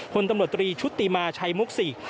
คนตำรวจตรีชุติมาชัยมุกศิก